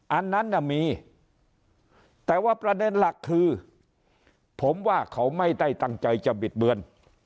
อันนั้นน่ะมีแต่ว่าประเด็นหลักคือผมว่าเขาไม่ได้ตั้งใจจะบิดเบือน